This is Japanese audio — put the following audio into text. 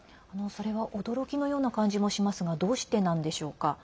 それは驚きのような感じもしますがどうしてなんでしょうか？